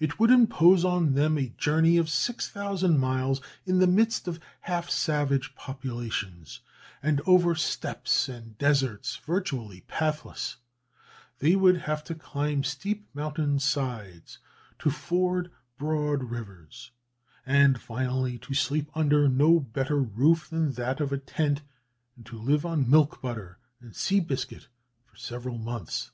It would impose on them a journey of six thousand miles, in the midst of half savage populations, and over steppes and deserts virtually pathless; they would have to climb steep mountain sides, to ford broad rivers; and, finally, to sleep under no better roof than that of a tent, and to live on milk, butter, and sea biscuit for several months.